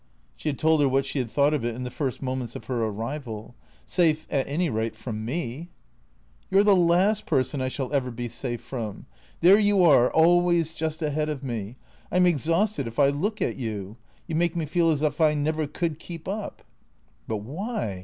She had told her what she had thought of it in the first moments of her arrival. " Safe, at any rate, from me." " You 're the last person I shall ever be safe from. There you are, always just ahead of me. I 'm exhausted if I look at you. You make me feel as if I never could keep up." " But why